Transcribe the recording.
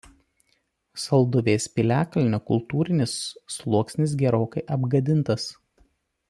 Salduvės piliakalnio kultūrinis sluoksnis gerokai apgadintas.